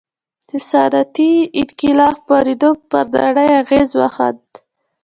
د صنعتي انقلاب خپرېدو پر نړۍ اغېز وښند.